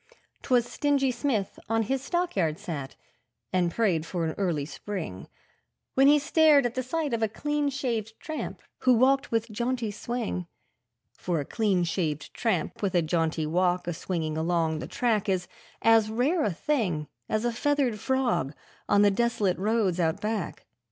..... 'Twas Stingy Smith on his stockyard sat, and prayed for an early Spring, When he stared at sight of a clean shaved tramp, who walked with jaunty swing; For a clean shaved tramp with a jaunty walk a swinging along the track Is as rare a thing as a feathered frog on the desolate roads out back.